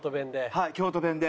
はい京都弁で。